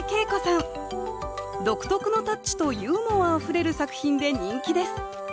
独特のタッチとユーモアあふれる作品で人気です。